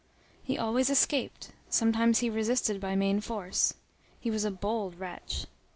He always escaped; sometimes he resisted by main force. He was a bold wretch.